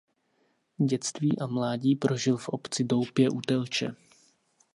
Dětství a mládí prožil v obci Doupě u Telče.